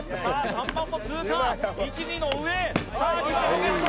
３番も通過１２の上さあ２番もゲット